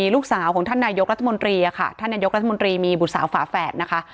ภูษาอยากเป็นภูษาอยากเป็นภูษาอยากเป็นภ